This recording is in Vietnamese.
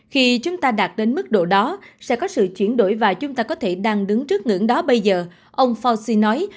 khi chúng ta đạt đến mức độ đó sẽ có sự chuyển đổi và chúng ta có thể đang đứng trước ngưỡng đó bây giờ ông forci nói